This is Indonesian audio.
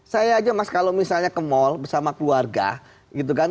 saya aja mas kalau misalnya ke mal bersama keluarga gitu kan